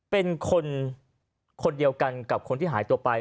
เป็นคนคนเดียวกันกับคนที่หายตัวไป